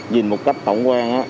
nhìn một cách tổng quan